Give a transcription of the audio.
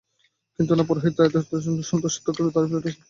কিন্তু না, ঐ পুরোহিতরা এত এত সহজেই সত্যকে ধরে ফেলাটা পছন্দ করবে না।